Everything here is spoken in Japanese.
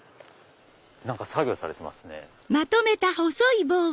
何か作業されてますね。